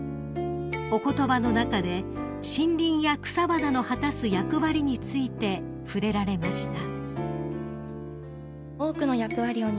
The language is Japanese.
［お言葉の中で森林や草花の果たす役割について触れられました］